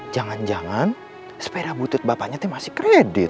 jangan jangan sepeda butut bapaknya itu masih kredit